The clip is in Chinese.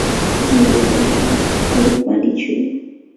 印度国家公路管理局。